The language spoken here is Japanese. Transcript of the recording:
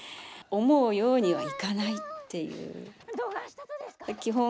思うようにはいかないっていう。